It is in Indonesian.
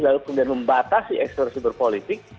lalu kemudian membatasi ekspresi berpolitik